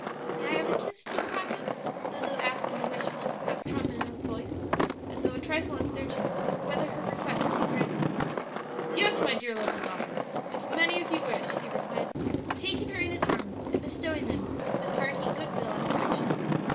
"May I have a kiss too, papa?" Lulu asked in a wishful, half tremulous voice, as though a trifle uncertain whether her request would be granted. "Yes, my dear little daughter, as many as you wish," he replied, taking her in his arms and bestowing them with hearty good will and affection.